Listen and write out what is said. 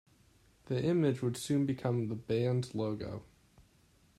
The image would soon become the band's logo.